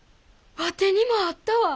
ワテにもあったわ！